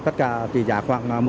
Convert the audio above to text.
tất cả tỷ giá khoảng